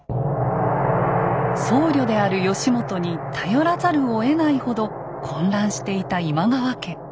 僧侶である義元に頼らざるをえないほど混乱していた今川家。